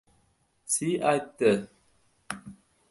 Si aytdi: